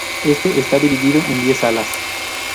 Este está dividido en Díez salas.